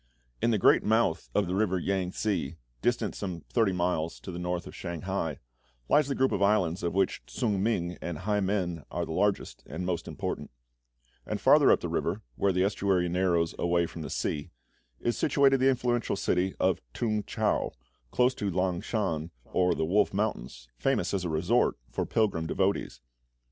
In the great mouth of the river Yang tse, distant some thirty miles to the north of Shanghai, lies the group of islands of which Ts'ung ming and Hai men are the largest and most important; and farther up the river, where the estuary narrows away from the sea, is situated the influential city of T'ung chau, close to Lang shan, or the Wolf Mountains, famous as a resort for pilgrim devotees.